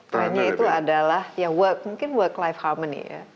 trendnya itu adalah ya mungkin work life harmony ya